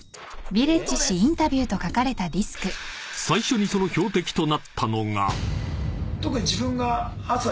［最初にその標的となったのが］